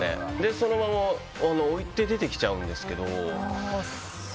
そのまま置いて出てきちゃうんですけど。